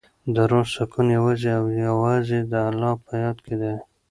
د روح سکون یوازې او یوازې د الله په یاد کې دی.